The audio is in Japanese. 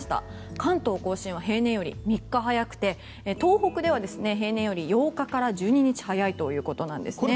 関東・甲信は平年より３日早くて東北では平年より８日から１２日早いということなんですね。